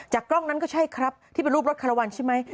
กล้องนั้นก็ใช่ครับที่เป็นรูปรถคาราวันใช่ไหม